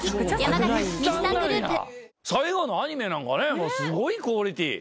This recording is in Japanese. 最後のアニメなんかすごいクオリティー。